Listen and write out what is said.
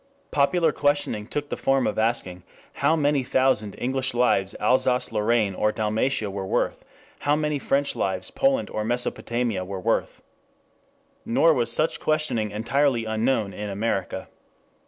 Popular questioning took the form of asking how many thousand English lives Alsace Lorraine or Dalmatia were worth, how many French lives Poland or Mesopotamia were worth. Nor was such questioning entirely unknown in America.